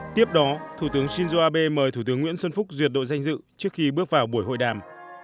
tiếp đó thủ tướng shinzo abe mời thủ tướng nguyễn xuân phúc duyệt đội danh dự trước khi bước vào buổi hội đàm